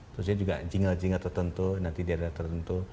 terus juga jingel jingel tertentu nanti diadakan tertentu